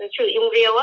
sử dụng rượu